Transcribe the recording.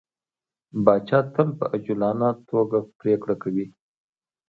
پاچا تل په عجولانه ټوګه پرېکړه کوي.